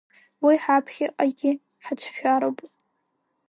Уи ҳаԥхьаҟагьы ҳацәшәароуп.